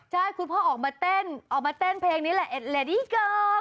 ใช่คุณพ่อออกมาเต้นเพลงนี้แหลดดี้เกิร์ล